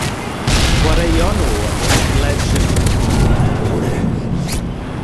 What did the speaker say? Chwaraeon nhw ledled Chile yn yr un flwyddyn.